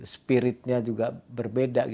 spiritnya juga berbeda